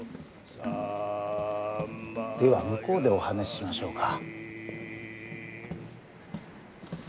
では向こうでお話ししましょうか。